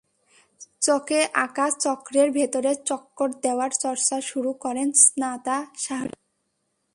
চকে আঁকা চক্রের ভেতরে চক্কর দেওয়ার চর্চা শুরু করেন স্নাতা শাহরিন।